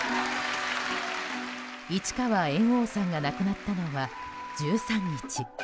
市川猿翁さんが亡くなったのは１３日。